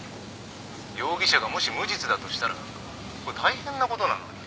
容疑者がもし無実だとしたら大変なことなのに」